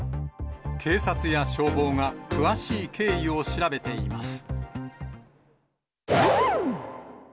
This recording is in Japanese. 警察や消防が詳しい経緯を調べています。